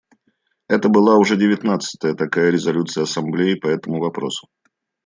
Это была уже девятнадцатая такая резолюция Ассамблеи по этому вопросу.